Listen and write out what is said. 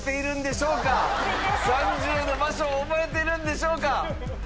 ３０の場所を覚えてるんでしょうか？